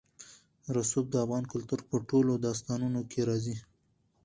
رسوب د افغان کلتور په ټولو داستانونو کې راځي.